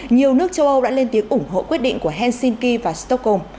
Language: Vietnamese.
nhiều nước châu âu đã lên tiếng ủng hộ quyết định của helsinki và stockholm